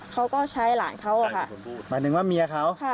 เขาก็ใช้หลานเขาอะค่ะหมายถึงว่าเมียเขา